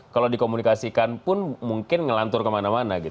kalau dikomunikasikan pun mungkin ngelantur kemana mana